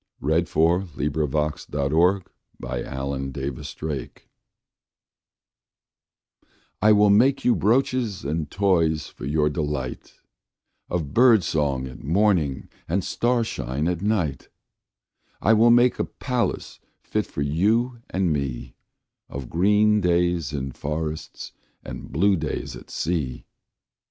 1920. Robert Louis Stevenson1850–1894 Romance I WILL make you brooches and toys for your delightOf bird song at morning and star shine at night.I will make a palace fit for you and me, Of green days in forests and blue days at sea.